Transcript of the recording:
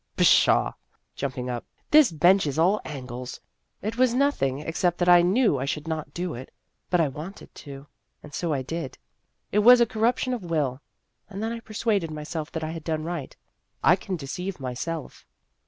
" Pshaw!" jumping up, "this bench is all angles. It was nothing, except that I knew I should not do it, but I wanted to, and so I did. It was a corruption of will. And then I persuaded myself that I had done right. I can deceive myself."